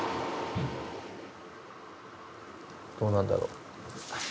どうなんだろう。